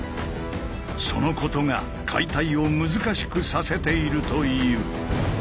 そのことが解体を難しくさせているという。